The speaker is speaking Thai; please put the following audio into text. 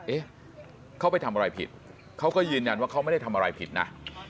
เอ๊ะเขาไปทำอะไรผิดเขาก็ยืนยันว่าเขาไม่ได้ทำอะไรผิดนะ